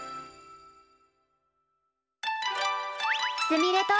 すみれと。